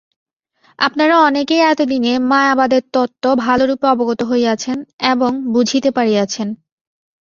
আপনারা অনেকেই এতদিনে মায়াবাদের তত্ত্ব ভালরূপে অবগত হইয়াছেন এবং বুঝিতে পারিয়াছেন।